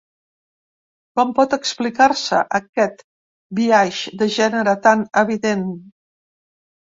Com pot explicar-se aquest biaix de gènere tan evident?